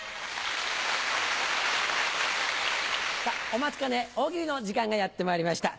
お待ちかね大喜利の時間がやってまいりました。